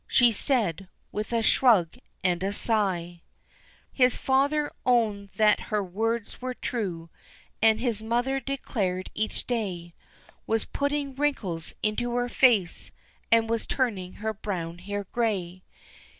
She said, with a shrug and a sigh. His father owned that her words were true, And his mother declared each day Was putting wrinkles into her face, And was turning her brown hair grey.